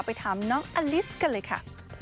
ไปถามน้องอลิสกันเลยค่ะ